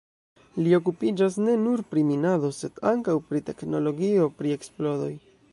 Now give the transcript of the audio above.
Li okupiĝas ne nur pri minado, sed ankaŭ pri teknologio pri eksplodoj.